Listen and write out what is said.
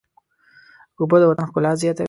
اوبه د وطن ښکلا زیاتوي.